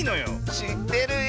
しってるよ！